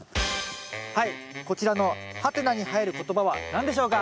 はいこちらの「？」に入る言葉は何でしょうか？